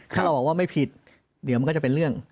ถ้าเราบอกว่าไม่ผิดเดี๋ยวมันก็จะเป็นเรื่อง